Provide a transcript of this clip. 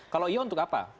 kalau iya untuk apa